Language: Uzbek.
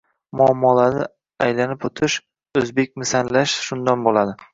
Muammolarni aylanib o‘tish, «o‘zbekmisan»lash shundan bo‘ladi.